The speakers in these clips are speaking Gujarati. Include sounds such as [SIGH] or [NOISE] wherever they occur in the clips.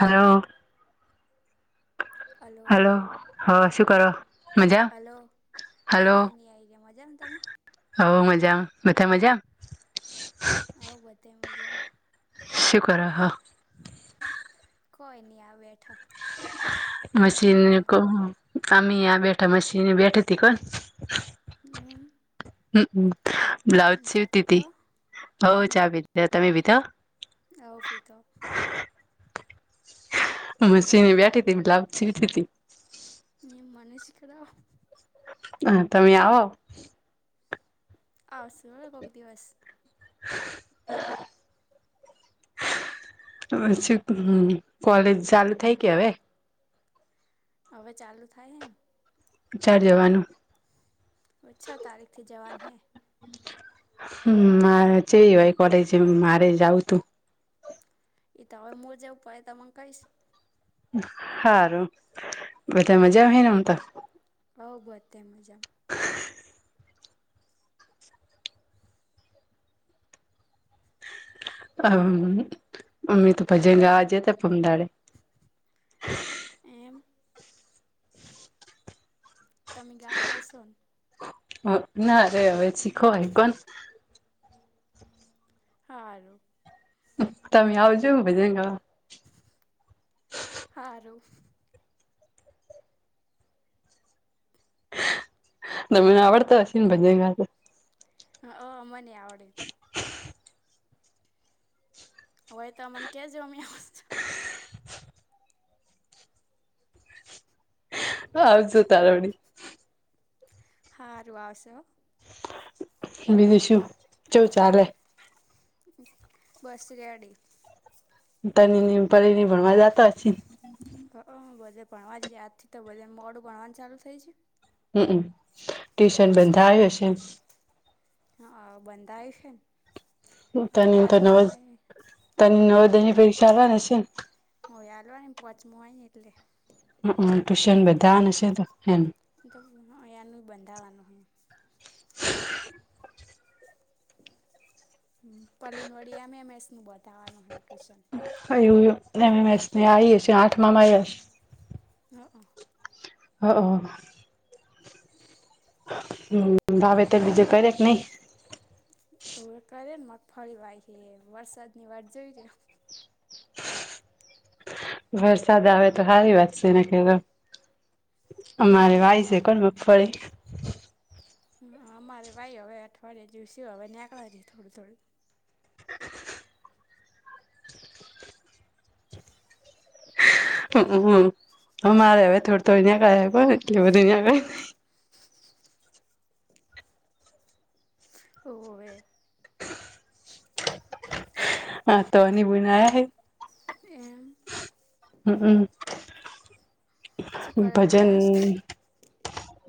હલો હલો હ શું કરો મજા? હલો કઈ ની આઇજા મજામા તમે? હ મજામા બધા મજામ હ બધે મજામ શું કરે હ કોઈ નઈ આ બેઠા મશીન ને આ બેઠા મશીન બેઠી હતી હમ હમ બ્લાઉસ ચા સીવતી પીધો તી બોવ ચા પી તમે પીધા? હા, પીધો મશીને બેઠી હતી બ્લાઉઝ સીવતી હતી એમ [UNINTELLIGIBLE] હ, તમે આવો આવશું હ કોઈક દિવસ પછી કોલેજ ચાલુ થઈ કે હવે? હવે ચાલુ થાહેને ક્યારે જવાનું? છ તારીખથી જવાની હે હમ મારે છે કોલેજે મારે જાવું તું એ તો હવે મુ જવું પછી તમને કહીશ હારુ બધા મજામાં આમ તો? હવ બધે મજા [INAUDIBLE] હમ્મ અમે તો ભજન ગાવા જતા પરમદાડે એમ તમે ગાતા હશો? ના રે હવે શીખાવે કોણ? હારુ તમે આવજો ભજન ગાવા હારું. તમને આવડતું હશે ન ભજન ગાતા? હા, મને આવડે. હવે, તમ મન કેજો અમે આવશું. આવશું તારોડી. હારું આવશે હો. બીજું શું શું ચાલે? બસ રેડી. તની પરીની ભણવા જતા હશે? હ બધે ભણવા જ આજથી તો બધાને મોડું ભણવાનું ચાલુ થઇ છે. હમ્મ, ટ્યુશન બંધાયું હશે. હ બંધાય છે ને. તની તો પોચમાં નવદ મળે તની હ નવદની પરીક્ષા ના પૈસા આલવા છે. વાચમો હોયન એટલે. ટ્યુશન બધાને છે તો એમ. તો એનું બંધાવાનું હોય પલીન વડી એમ મેથનું બતાવાનું ટુઈશન. હું મેને આવીએ છી આઠ માં માઈ. હક. હા હા. હમ્મ ભાવ એ તે બીજ કરે કે નહી? ફરી વાય હે વરસાદની વાત જોય રયા. વરસાદ આવે તો સારી વાત છે એને કઈ તો. અમારે હમ વાય છે કોણ મગફળી. હા અમારી ભાઈ હવે અઠવાડિયે દિવસી હવે નીકળ થોડું થોડું. [UNINTELLIGIBLE] મારે હવે થોડ તો અયા ક એટ બધુંં ક ઓવે. હા તોની બુનાયા હે. એમ હમ્મ. શું કરે ભજન, વિરાંશ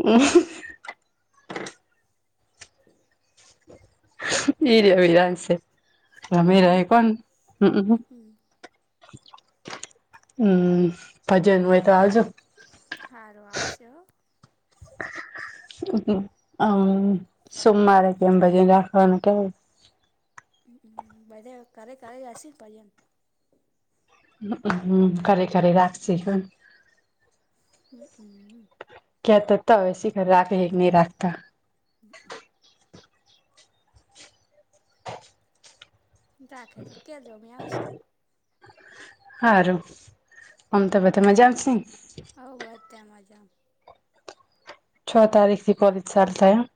હમ્મ. ઈ આવી રહ છે રમી એમ રા કોણ હમ્મ. હમ હમ્મ ભજન હોય તો હાલજો. સારું આવશે હો અમ સોમવારે કેમ બજે રાખવાનું કેવાય. બધા ઘરે ઘરે હસી ને પર્યન. હમ્મ કરી કરી રાખશ હન. હમ્મ હમ્મ. કેતા તા વે સી કર રાખે હે કે નહી રાખતા. [UNINTELLIGIBLE] રાખેજો ક્યાં જો અમે આવશુ. હારૂ આમ તો બધ મજામ છે ને? હવે બધા મજા છ તારીખથી કોલેજ ચાલું થયા.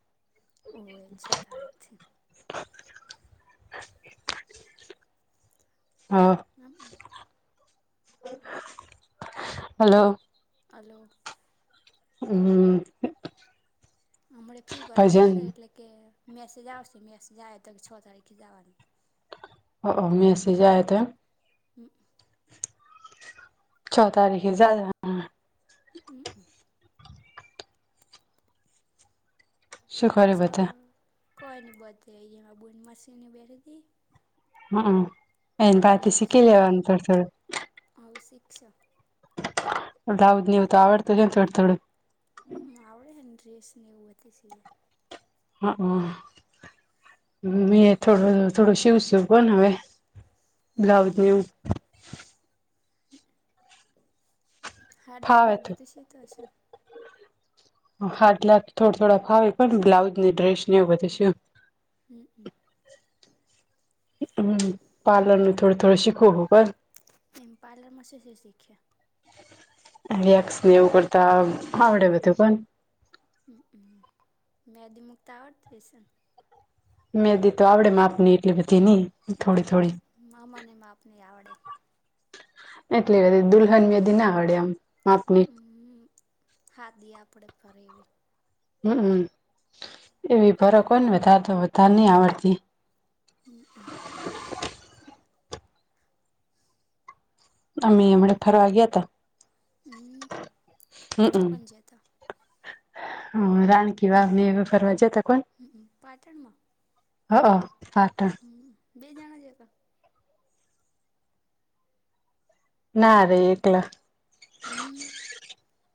ઓ અચ્છા તારક થી. હમ્મ. હાલો. હાલો. હમ્મ. હમણા ફી ભરવા જયા હતા એટલે કે મેસેજ આવશે મેસેજ આવે તો કે છ તારીખે જવાનું. હક મેસેજ આવે તો હમ્મ. છ તારીખે જાય હા. હમ્મ, હમ્મ. શું કરે જ બધા? કોઈ નની બધે એ બોલ મશની બેઠ હતી. હા હ એન એન તાર થી બ્લાઉઝ શીખી લેવાનું થોડું થોડું. હવે શીખશો રાઉજ નહીં તો આવડતો કે થોડું થોડું. હમ્મ આવડેને ડ્રેસ ને એવું સિ હા હ મેં થોડો થોડો શિવ શિવ બનાવે [UNINTELLIGIBLE] [INAUDIBLE] હાડલાને ફાવે એવું તો બધા શીતો સો. હાડલા થોડ થોડા ફાવે. પણ બ્લાઉઝ ની ડ્રેસ ને એવું બધું સીવું. ને હમ્મ. પાર્લર નું થોડું-થોડું શીખવું હું પન એમ પાર્લરમાં શું-શું શીખ્યા? વેક્સને એવું કરતા આવ આવડે બધું પણ. અમ્મ. મહેંદી મુકતા આવડતી હશે? મેંદી તો આવડે માપની એટલી બધી નહીં. મામા ને માપ ની આવડે. એટલી બધી દુલ્હન મેદી ના આવડે એમ. હમ્મ [UNINTELLIGIBLE] આપડે ફરી એવી. હમ્મ. એવી ફરક [UNINTELLIGIBLE] વધારે તો વધારે નહીં આવડતી. હમ્મ-હમ્મ. અમેય હમણા ફરવા ગયા તા. હમ્મ. ચ્હા કોન જ્યાં તા? હા રાણકીવાવ ને એવા ફરવા જત હંમ્મ. પાટણમાં? અહં. હમ્મ. બે જણા જયા તા? નારે એકલા. હમ્મ.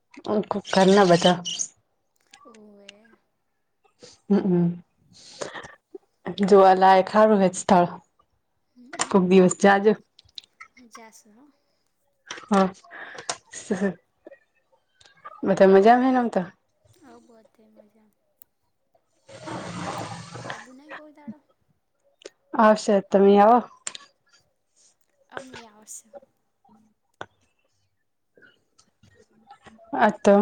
[UNINTELLIGIBLE] ઘરના બધા. હોવે. અમ્મમ. એટલે જોવા લાયક હારૂ હે સ્થળ. કોક દિવસ જાજો અમ્મ-અમ્મ જાસુ હો. હા. બધા મજામાં હેને આમ તો હોવ બધે મજા. [INAUDIBLE] આબુ નહીં કોઈ દાડો હશે. તમેય આવો. અમેય આવશું. [INAUDIBLE] આ તો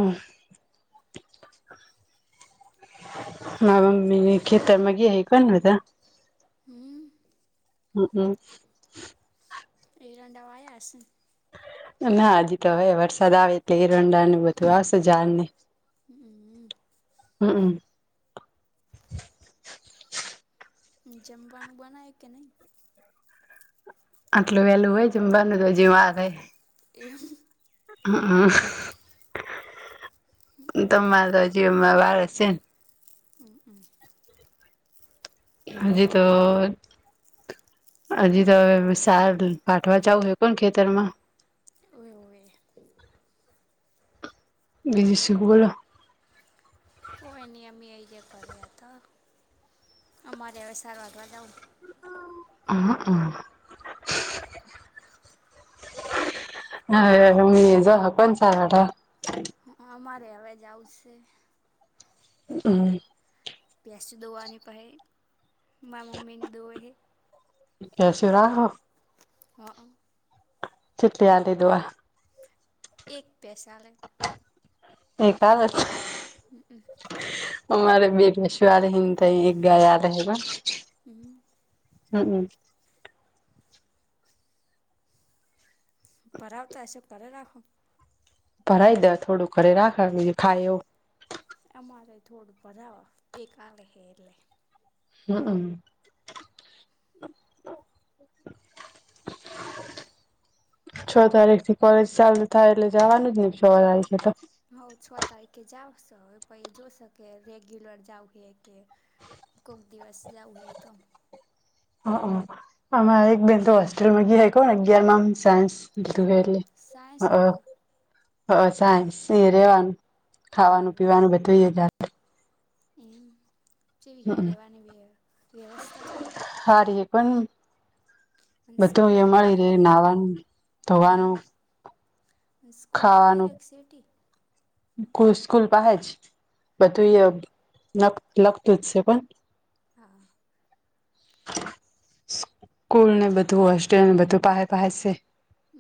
માર મમ્મી એય ખેતરમા ગયા હે [UNINTELLIGIBLE] હમ્મ. અમ્મ-અમ્મ. એરંડા વાયા હશે. ના હજી તો હવે વરસાદ આવે એટલે એરંડાનું ને બધું આવશે જાડ ને. હમ અમ્મ-મમ્મ. જમવાનું બનાય કે નહીં? આટલું વહેલું હોય જમવાંનુ? તો હજી વાર હે. એમ હા હ તમારા જીવમાં વાળ છે. [INAUDIBLE] હજી તો હજી તો હવે શાર વાઢવા જાવું હે ખેતરમાં [INAUDIBLE] ડજી શિક ઉપરા [UNINTELLIGIBLE] કોઈ નઈ અમે અહયા કર હતા અમારે હવે સારવારવા જઉં હ હમ. હા મ જ હ પણ સારડા હ અમારે હવે જ આવશે હમ્મ. ભેસ દોવાની પહે મા મમ્મીની દોવ હ [UNINTELLIGIBLE] હ અ. છીતે આટ દવા એક પૈસા લે એ ક [UNINTELLIGIBLE] હ. બેશવાર હિન ત એક ગયા રહે હમ પરાવ તો એસ કરે રાખો. ભરાઈ દે થોડું ઘરે રાખવાનું ખાય એવું. એમાંરે થોડું બરાવા બે કલે છેે, એટલે. હમ્મ. [INAUDIBLE] છ તારીખ થી કોલેજ ચાલુ થાય એટલે જવાનું જ નહ છ તારીખે તો? હ છ તારીખે જાવ છો પ એ જોશે કે રેગ્યુલર જાવ એ કે કોક દિવસ જવું હેએતો હ આમાં એક બેન તો હોસ્ટેલમાં ગયા કોહને અગયારમાંમ સાન્સ ત એમ સાયન્સ લીધું હ સાન્સ એ રવાનું ખાવાનું હારું પીવાનું બતાવી જ એમ ચેવી રેવાની વ્ય વ્યવસ્થા જેવી હે? હારી પણ બધું એ સ્કૂલ મળી પાહે ર નાહવાનું હે ધોવાનું એમ સ્કૂલ પસે ખાવાનું એક સિટી? સ્કૂલ પહે જ બધું એમ એ લખતું જ છે. પણ હા. સ્કૂલ ને બધું હોસ્ટેલ ને બધું પાહે પાહે છે.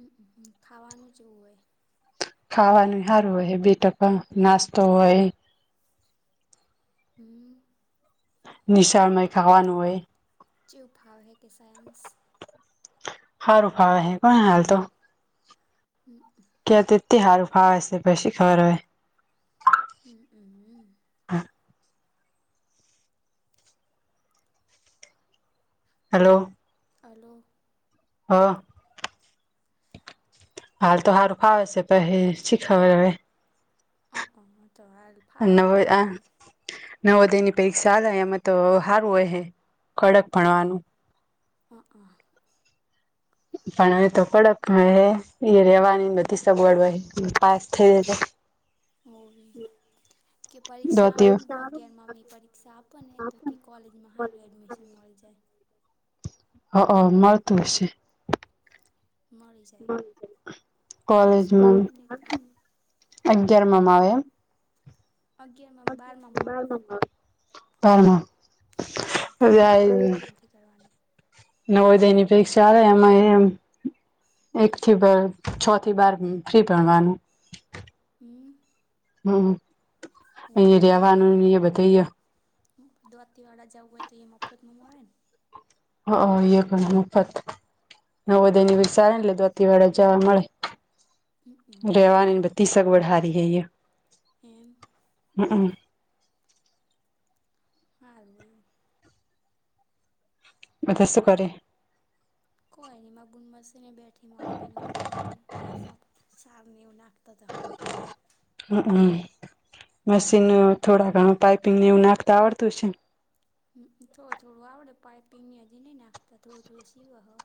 અ અ ખાવાનું ચેવું હોય ખાવાનું સારું હોય બેટા પણ નાસ્તો હોય. હમ્મ. નિશાળમાંય ખાવાનું હોય. જે ઉપભાવ હૈ કે સાયન્સ? હારુંફાવ હે કોણ હાલ તો હમ્મ. ક્યાં તેથી હારું ફાવે છે. પછી ખર હોય હમ હમ હમ [UNINTELLIGIBLE] હેલો. હલો. હા. હાલ તો સારું ફાવે છે. પછી શી ખબર હવે. હ હ તો હ ભાવ એ નવ તો પ. નવોદયની પરીક્ષા આલે એમાં તો સારું હોય છે. કડક ભણવાનું. હ હ. [UNINTELLIGIBLE] પણ હવે તો કડક હ એ રેવાની બધી સગવડ હોય પાસ થઈ જ [INAUDIBLE] કે પરીક્ષા આવે દોતી ને અગિયાર માં ની પરીક્ષા આપો ને તો કે કોલેજમાં સારું એડમિશન મળે. જાય. હ હ મળતું હશે. મળી જાય પરીક્ષા કોલેજમાં આવે ને અગયારમામાં આવે એમ? અગિયારમાં બારમામાં ભલે તૈયારી અગિયારમા માંથી કરવાની. નવોદયની પરીક્ષા આવે એમાં એમ એક થી બાર છ થી બાર ફ્રી ભણવાનું. હમ. હમ અહી રહેવાનું ને ઈ એ બધુંય દ્વાતી વાળા જવું હોય તો એ મફત માં મળે ને. હઅન એ ઘણ મુફત નવદયની [UNINTELLIGIBLE] આવેને એટલે [UNINTELLIGIBLE] વાલામાં જવા મળે રહેવાની ને બધી સગવડ હારી હે અઇયા એમ. હઅમ હાલૂ. બધા શું કરે કોઈ નઈ મા બુન મશીને બેઠી મમ્મી ને બધવાળી પ્યાસ સાર ને એવુ નાખતા હતા. હમ હમ. મશીન થોડા ઘણું પાઈપિંગ ને એવું નાખતા આવડતું હશે ને થોડ થોડું આવડે પાઈપિંગની હજી નઈ નાખતા થોડું થોડું સીવા હ.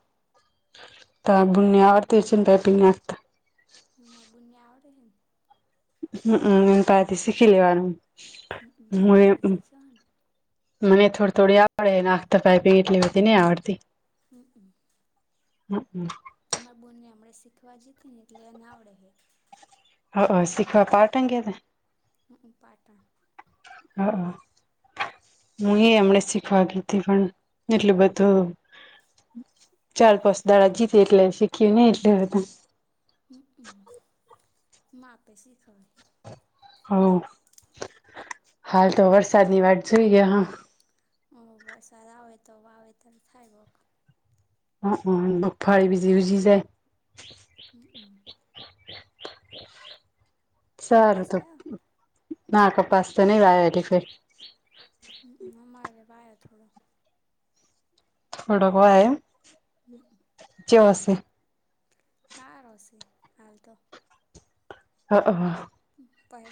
તારા બુન ને આવડતી હશે ને પાઈપિંગ નાખતા હ મારા બુનને આવડે હે હઅમ એન પાહેતી શીખી લેવાનું. હું [INAUDIBLE] મને થોડી થોડી આવડે નાખતા પાઈપિંગ એટલી બધી નહી આવડતી. હમ. હમ હમ. અમારા બોનને હમણા શીખવા જીતી ને એટલે એને આવડે હે. હઅન શીખવા પાર્ટન ગયા હતા. પાટન. હા. હું એ એમને શીખવા ગીતી પણ એટલું બધું ચાર પાંચ દાડા જીતી એટલે શીખી નય એટલે બધા. હમમ માપે શીખય હ હાલ તો વરસાદની વાટ જોઈ રહિયા હ ઓ વરસાદ આવે તો આવે તો વાવેતર થાય વ હઅ મગફળી બીજી ઉજી જાય. સારું કપાસ તો. ના કપાસ તો નહી વાયા હજી કોઈ હ અમારે વાયા થોડો. થોડોક વાયો એમ. હમ. [INAUDIBLE] હારહોશે હાલ તો. હા. પૈડું.